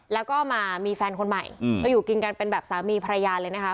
แล้วก็มามีแฟนคนใหม่ก็อยู่กินกันเป็นแบบสามีภรรยาเลยนะคะ